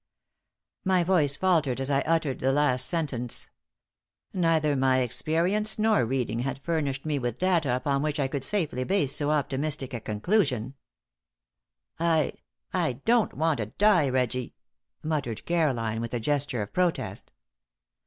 My voice faltered as I uttered the last sentence. Neither my experience nor reading had furnished me with data upon which I could safely base so optimistic a conclusion. "I I don't want to die, Reggie," muttered Caroline, with a gesture of protest.